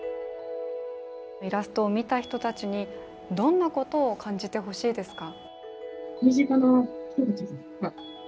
イラストを見た人たちにどんなことを感じてほしいですか？